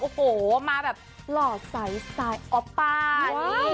โอ้โหมาแบบหล่อใสอ๊อปป้า